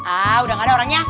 ah udah gak ada orangnya